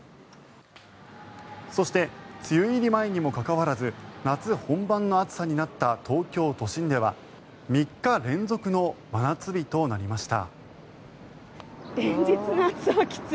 そして梅雨入り前にもかかわらず夏本番の暑さになった東京都心では３日連続の真夏日となりました。